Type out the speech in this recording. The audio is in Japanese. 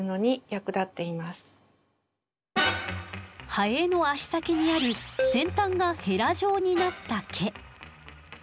ハエの足先にある先端がヘラ状になった毛。